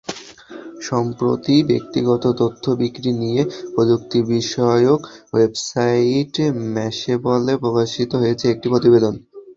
সম্প্রতি ব্যক্তিগত তথ্য বিক্রি নিয়ে প্রযুক্তিবিষয়ক ওয়েবসাইট ম্যাশেবলে প্রকাশিত হয়েছে একটি প্রতিবেদন।